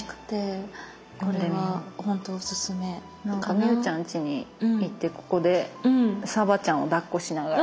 美雨ちゃんちに行ってここでサバちゃんをだっこしながら。